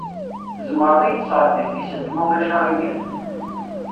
Tzemreḍ ad yid-tesɛeddiḍ tisent, ma ulac aɣilif?